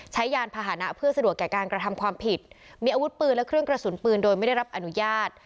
ยานพาหนะเพื่อสะดวกแก่การกระทำความผิดมีอาวุธปืนและเครื่องกระสุนปืนโดยไม่ได้รับอนุญาต